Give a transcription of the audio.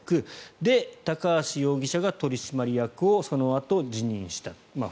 で、高橋容疑者が取締役をそのあと辞任している。